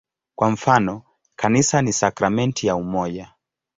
Kwa mfano, "Kanisa ni sakramenti ya umoja".